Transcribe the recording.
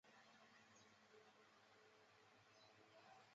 真田氏一族。